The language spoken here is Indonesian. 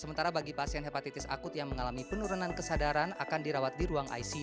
sementara bagi pasien hepatitis akut yang mengalami penurunan kesadaran akan dirawat di ruang icu